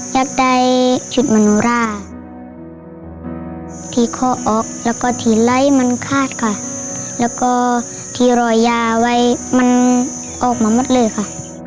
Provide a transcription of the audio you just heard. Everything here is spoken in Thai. อยากได้ชุดมโนราที่ข้อออกแล้วก็ที่ไร้มันคาดค่ะแล้วก็ที่รอยยาไว้มันออกมาหมดเลยค่ะ